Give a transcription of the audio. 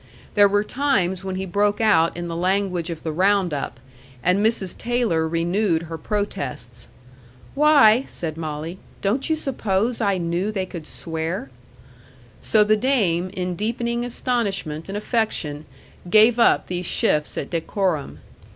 There were times when he broke out in the language of the round up, and Mrs. Taylor renewed her protests. "Why," said Molly, "don't you suppose I knew they could swear?" So the dame, in deepening astonishment and affection, gave up these shifts at decorum.